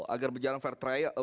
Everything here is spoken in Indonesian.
agar berjalan fair trial